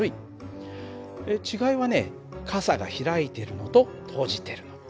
違いはね傘が開いてるのと閉じてるの。